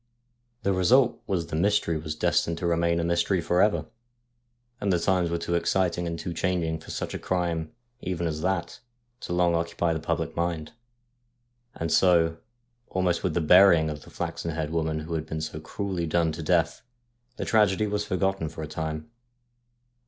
The result was the mystery was destined to remain a mystery for ever ; and the times were too exciting and too changing for such a crime even as that to long occupy the public mind, and so, almost with the burying of the flaxen haired woman who had been so cruelly done to death, the tragedy was forgotten for a time.